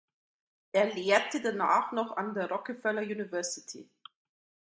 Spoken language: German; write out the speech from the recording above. Er lehrte danach noch an der Rockefeller University.